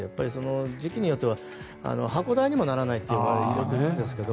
時期によっては箱代にもならないってよく言われるんですけど。